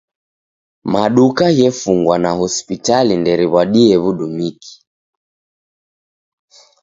Maduka ghefungwa na hospitali nderiw'adie w'udumiki.